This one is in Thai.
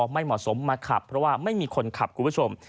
ไม่เหมาะสมมาขับเพราะว่าไม่มีคนขับคุณผู้ชม